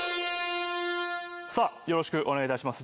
さあよろしくお願いいたします